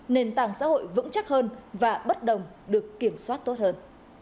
nền tảng xã hội vững chắc hơn và bất đồng được kiểm soát tốt hơn